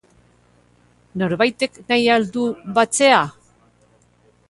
Norbaitek nahi al du batzea?